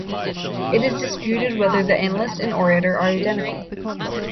It is disputed whether the annalist and orator are identical.